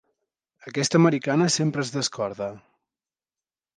Aquesta americana sempre es descorda.